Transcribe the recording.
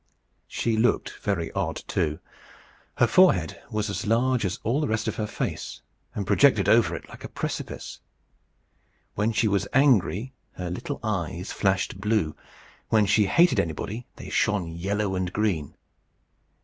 She looked very odd, too. Her forehead was as large as all the rest of her face, and projected over it like a precipice. When she was angry her little eyes flashed blue. When she hated anybody, they shone yellow and green.